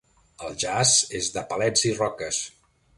El jaç és de palets i roques.